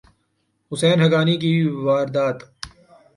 حسین حقانی کی واردات